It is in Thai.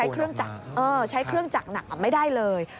เขาใช้เครื่องจักรหนักไม่ได้เลย